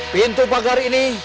pintu pagar ini